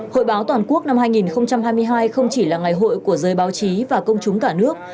hội báo toàn quốc năm hai nghìn hai mươi hai không chỉ là ngày hội của giới báo chí và công chúng cả nước